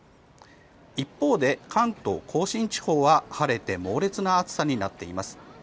一方で関東・甲信地方は晴れて猛烈な暑さになっています。